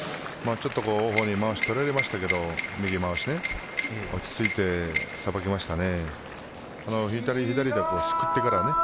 王鵬にまわしを取られましたけど右まわし落ち着いてさばきましたね。